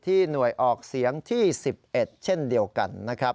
หน่วยออกเสียงที่๑๑เช่นเดียวกันนะครับ